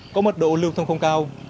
có mật độ lưu thông không cao